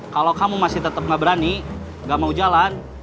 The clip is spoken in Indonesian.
kalau kamu masih tetap nggak berani gak mau jalan